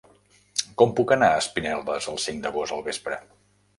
Com puc anar a Espinelves el cinc d'agost al vespre?